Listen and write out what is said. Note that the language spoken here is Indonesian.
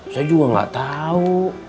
saya juga gak tau